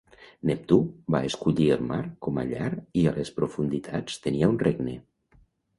Neptú va escollir el mar com a llar i a les profunditats tenia un regne.